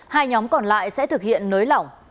hai nhóm còn lại sẽ thực hiện nới lỏng